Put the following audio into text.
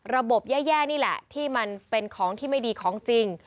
แย่นี่แหละที่มันเป็นของที่ไม่ดีของจริง